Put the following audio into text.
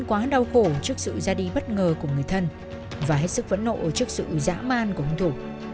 quá đau khổ trước sự ra đi bất ngờ của người thân và hết sức phẫn nộ trước sự dã man của hung thủ